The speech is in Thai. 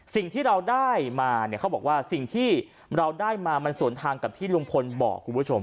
สิ่งที่เราได้มาเนี่ยเขาบอกว่าสิ่งที่เราได้มามันสวนทางกับที่ลุงพลบอกคุณผู้ชม